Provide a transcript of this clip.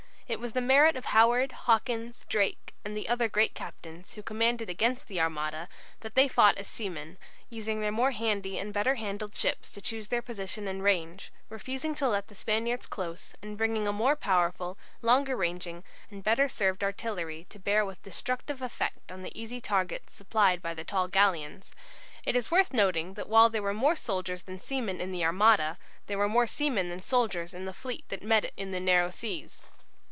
It was the merit of Howard, Hawkins, Drake, and the other great captains, who commanded against the Armada, that they fought as seamen, using their more handy and better handled ships to choose their own position and range, refusing to let the Spaniards close, and bringing a more powerful, longer ranging, and better served artillery to bear with destructive effect on the easy targets supplied by the tall galleons. It is worth noting that while there were more soldiers than seamen in the Armada, there were more seamen than soldiers in the fleet that met it in the narrow seas.